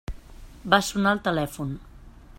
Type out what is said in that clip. Va sonar el telèfon.